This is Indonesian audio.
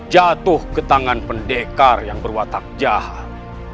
jatuh ke tangan pendekar yang berwatak jahat